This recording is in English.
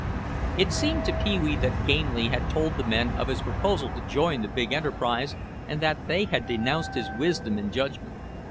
It seemed to Pee wee that Gamely had told the men of his proposal to join the big enterprise and that they had denounced his wisdom and judgment.